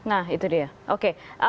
nah itu dia oke